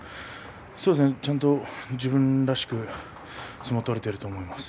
ちゃんと自分らしく相撲を取れていると思います。